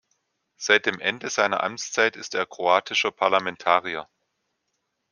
Seit dem Ende seiner Amtszeit ist er kroatischer Parlamentarier.